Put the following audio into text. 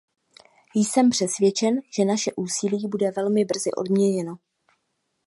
Jsem přesvědčen, že naše úsilí bude velmi brzy odměněno.